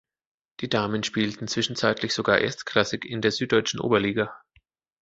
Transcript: Die Damen spielten zwischenzeitlich sogar erstklassig in der Süddeutschen Oberliga.